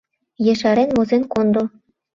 Ешарен возен кондо!»